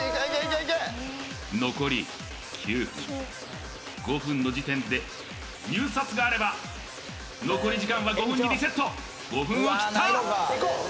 残り９分５分の時点で入札があれば残り時間は５分にリセット５分を切った！